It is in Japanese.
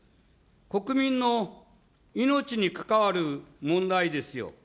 国民の命に関わる問題ですよ。